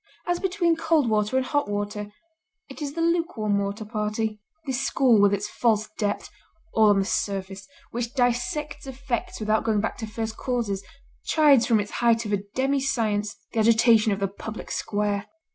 As between cold water and hot water, it is the lukewarm water party. This school with its false depth, all on the surface, which dissects effects without going back to first causes, chides from its height of a demi science, the agitation of the public square.